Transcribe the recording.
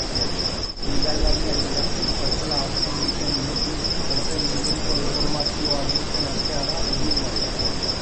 Bidaiariak hegazkin-txartela hartzen duten unetik, horren inguruko informazioa biltzen hastea da helburua.